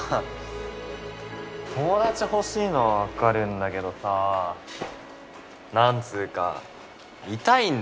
友達欲しいのは分かるんだけどさ何つうか痛いんだよね。